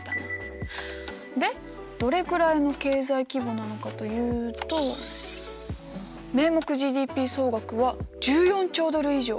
でどれくらいの経済規模なのかというと名目ＧＤＰ総額は１４兆ドル以上。